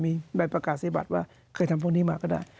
มีใบประกาศิบัตรว่าเคยทำพวกนี้มาก็ได้